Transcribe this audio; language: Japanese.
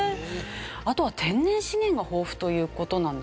あとは天然資源が豊富という事なんですよね。